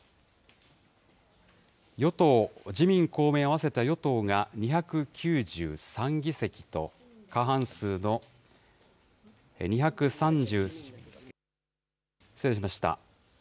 自民、公明合わせた与党が２９３議席と、過半数の、失礼しました。